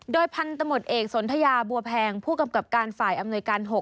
โดยพันธมตเอกสนทยาบัวแพงผู้กำกับการฝ่ายอำนวยการ๖